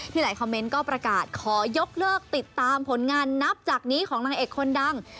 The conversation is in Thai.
หลายคอมเมนต์ก็ประกาศขอยกเลิกติดตามผลงานนับจากนี้ของนางเอกคนดัง